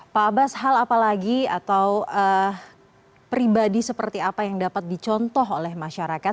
pak abbas hal apa lagi atau pribadi seperti apa yang dapat dicontoh oleh masyarakat